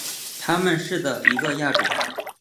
它们是的一个亚种。